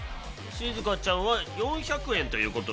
静香ちゃんは４００円という事で。